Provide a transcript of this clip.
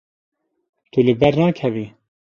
Tu li ber nakevî.